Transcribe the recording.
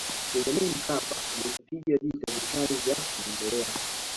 benjamin mkapa amepiga vita vikali vya maendeleo